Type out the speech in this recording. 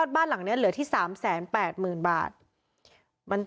บ้านหลังเนี่ยเหลือที่๓๘๐๐๐๐บาท